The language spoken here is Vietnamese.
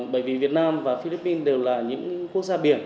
bởi vì việt nam và philippines đều là những quốc gia biển